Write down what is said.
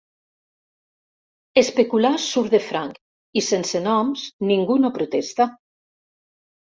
Especular surt de franc i, sense noms, ningú no protesta.